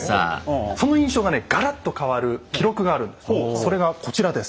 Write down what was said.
それがこちらです。